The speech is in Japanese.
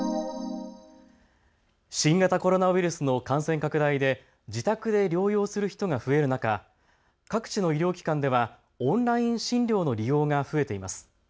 新型コロナウイルスの感染拡大で自宅で療養する人が増える中、各地の医療機関ではオンライン診療の利用が増えています。